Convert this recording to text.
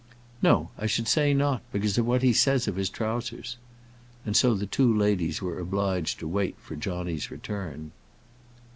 "No, I should say not; because of what he says of his trowsers." And so the two ladies were obliged to wait for John's return.